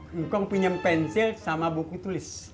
eh engkong pinjem pensil sama buku tulis